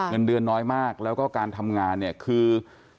เงินเดือนน้อยมากแล้วก็การทำงานเนี่ยคือ